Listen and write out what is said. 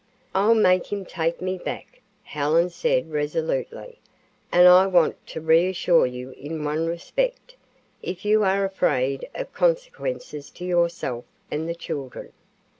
"I'll make him take me back," Helen said resolutely. "And I want to reassure you in one respect, if you are afraid of consequences to yourself and the children."